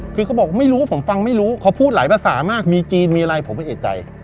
คือเขาบอกไม่รู้ว่าผมฟังไม่รู้เขาพูดหลายภาษามากมีจีนมีอะไรผมไม่เอกใจ